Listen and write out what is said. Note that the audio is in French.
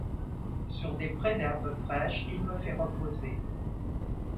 Sur des prés d’herbe fraîche, il me fait reposer.